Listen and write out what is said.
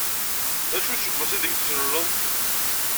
D acu n useggas aydeg d-tluleḍ?